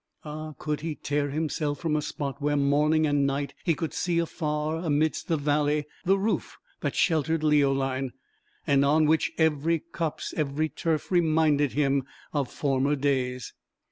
Ah! could he tear himself from a spot where morning and night he could see afar, amidst the valley, the roof that sheltered Leoline, and on which every copse, every turf, reminded him of former days?